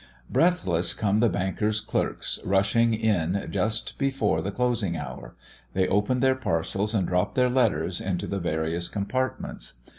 Breathless come the bankers' clerks, rushing in just before the closing hour; they open their parcels, and drop their letters into the various compartments.